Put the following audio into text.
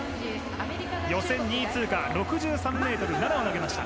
予選２位通過６３ｍ７を投げました。